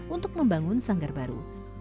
untuk membangun sanggar baru